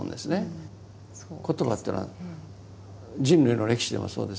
言葉というのは人類の歴史でもそうです。